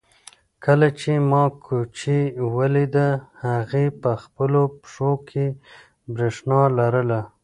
کله چې ما کوچۍ ولیده هغې په خپلو پښو کې برېښنا لرله.